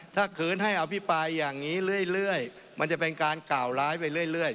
ถ้าคืนให้อภิปรายอย่างนี้เรื่อยมันจะเป็นการกล่าวร้ายไปเรื่อย